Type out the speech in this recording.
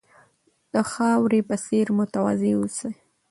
د خاورې په څېر متواضع اوسئ.